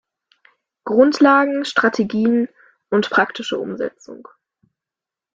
Grundlagen, Strategien und praktische Umsetzung".